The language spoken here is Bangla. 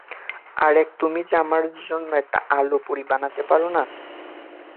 আর এক তুমি যে আমার জন্য একটা আলু পুরি বানাতে পারো না।